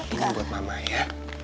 enggak ini buat mama ya